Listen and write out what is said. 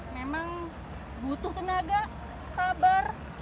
memang butuh tenaga sabar